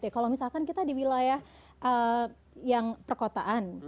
kalau misalkan kita di wilayah yang perkotaan